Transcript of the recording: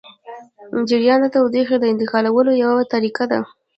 جریان د تودوخې د انتقالولو یوه طریقه ده.